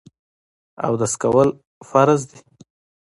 اودس کول فرض دي.